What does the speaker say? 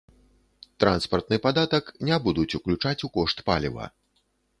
Транспартны падатак не будуць уключаць у кошт паліва.